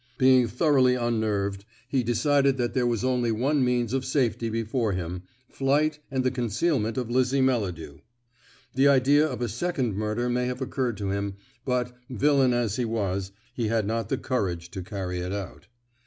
Being thoroughly unnerved, he decided that there was only one means of safety before him flight and the concealment of Lizzie Melladew. The idea of a second murder may have occurred to him, but, villain as he was, he had not the courage to carry it out.